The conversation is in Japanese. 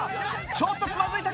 ちょっとつまずいたか？